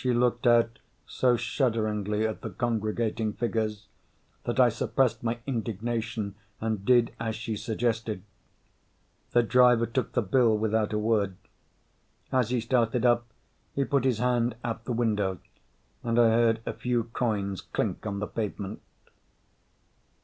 She looked out so shudderingly at the congregating figures that I suppressed my indignation and did as she suggested. The driver took the bill without a word. As he started up, he put his hand out the window and I heard a few coins clink on the pavement.